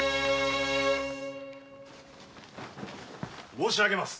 申し上げます。